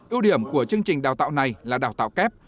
ưu điểm của chương trình đào tạo này là đào tạo kép